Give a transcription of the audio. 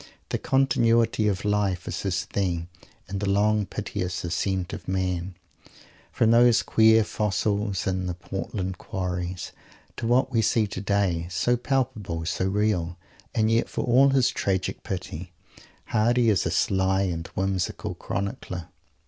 The continuity of life! The long, piteous "ascent of man," from those queer fossils in the Portland Quarries to what we see today, so palpable, so real! And yet for all his tragic pity, Mr. Hardy is a sly and whimsical chronicler.